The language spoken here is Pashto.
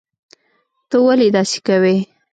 ته ولي داسي کوي